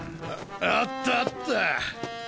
あったあった。